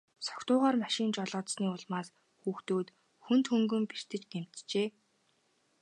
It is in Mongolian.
Согтуугаар машин жолоодсоны улмаас хүүхдүүд хүнд хөнгөн бэртэж гэмтжээ.